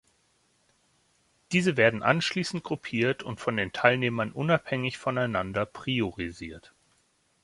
Diese werden anschließend gruppiert und von den Teilnehmern unabhängig voneinander priorisiert.